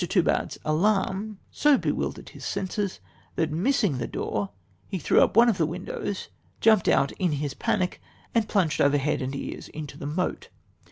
Toobad's alarm so bewildered his senses that missing the door he threw up one of the windows, jumped out in his panic, and plunged over head and ears in the moat.